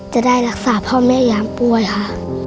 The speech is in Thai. จะได้รักษาพ่อแม่ยามป่วยค่ะ